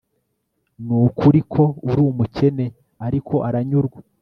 Nukuri ko ari umukene ariko aranyurwa